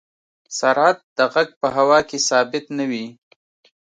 سرعت د غږ په هوا کې ثابت نه وي.